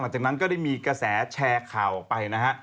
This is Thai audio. จากนั้นก็ได้มีกระแสแชร์ข่าวออกไปนะฮะ